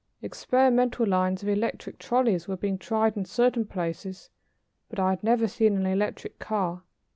Experimental lines of electric trolleys were being tried in certain places, but I had never seen an electric car.